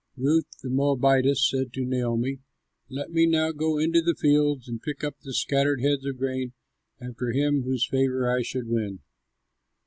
Ruth, the Moabitess, said to Naomi, "Let me now go into the fields and pick up the scattered heads of grain after him whose favor I should win."